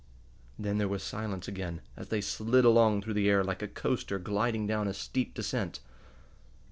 Then there was silence again, as they slid along through the air like a coaster gliding down a steep descent.